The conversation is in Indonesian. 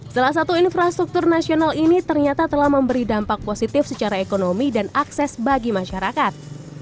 salah satu infrastruktur nasional ini ternyata telah memberi dampak positif secara ekonomi dan akses bagi masyarakat